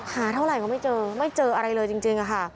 หาเท่าไหร่ก็ไม่เจอไม่เจออะไรเลยจริงค่ะ